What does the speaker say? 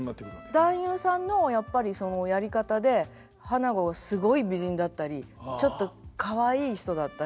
男優さんのやっぱりそのやり方で花子がすごい美人だったりちょっとかわいい人だったり。